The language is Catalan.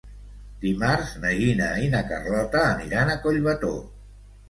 Dimarts na Gina i na Carlota aniran a Collbató.